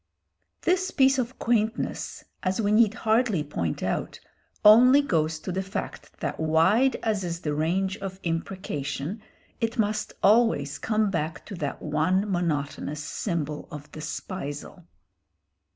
This piece of quaintness, as we need hardly point out, only goes to the fact that wide as is the range of imprecation, it must always come back to that one monotonous symbol of despisal.